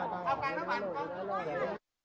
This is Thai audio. ไม่ได้หยัดแล้วนะ